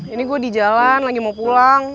ini gue di jalan lagi mau pulang